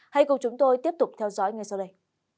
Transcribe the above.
hãy cùng chúng tôi tiếp tục theo dõi ngay sau đây